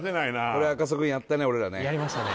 これは赤楚くんやったね俺らねやりましたね